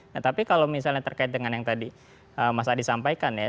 nah tapi kalau misalnya terkait dengan yang tadi mas adi sampaikan ya